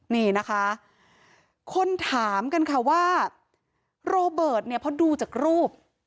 นี่นะคะคนถามกันค่ะว่าโรเบิร์ตเนี่ยพอดูจากรูป